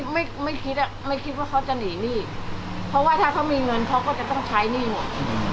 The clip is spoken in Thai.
ไม่ไม่คิดอ่ะไม่คิดว่าเขาจะหนีหนี้เพราะว่าถ้าเขามีเงินเขาก็จะต้องใช้หนี้หมด